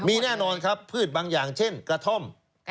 มีแน่นอนครับพืชบางอย่างเช่นกระท่อม